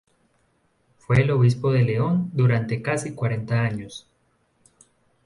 Fue obispo de León durante casi cuarenta años.